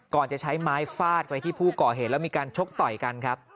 จะใช้ไม้ฟาดไปที่ผู้ก่อเหตุแล้วมีการชกต่อยกันครับ